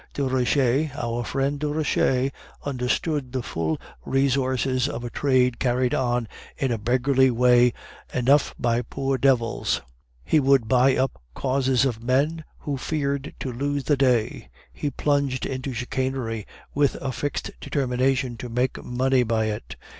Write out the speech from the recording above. Desroches, our friend Desroches, understood the full resources of a trade carried on in a beggarly way enough by poor devils; he would buy up causes of men who feared to lose the day; he plunged into chicanery with a fixed determination to make money by it.